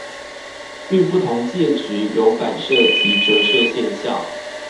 遇不同介質，有反射及折射現象